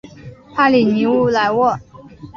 帕里尼莱沃。